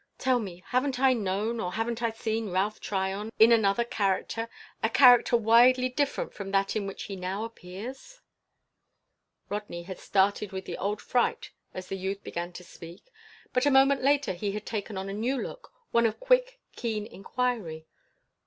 Tell me, haven't I known, or haven't I seen Ralph Tryon in another character a character widely different from that in which he now appears?" Rodney had started with the old fright as the youth began to speak, but a moment later he had taken on a new look one of quick, keen inquiry.